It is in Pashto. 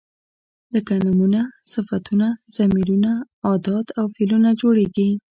لکه نومونه، صفتونه، ضمیرونه، ادات او فعلونه جوړیږي.